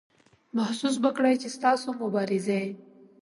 محسوس به کړئ چې ستاسو مبارزې.